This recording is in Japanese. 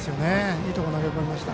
いいところ、投げ込みました。